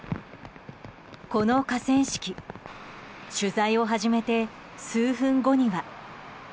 この河川敷取材を始めて数分後には。